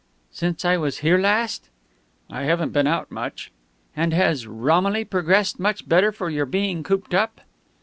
"Since I was here last?" "I haven't been out much." "And has Romilly progressed much better for your being cooped up?"